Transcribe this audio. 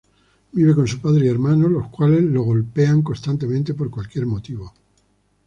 Vive con su padre y hermano, los cuales lo golpean constantemente por cualquier motivo.